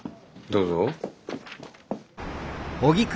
どうぞ。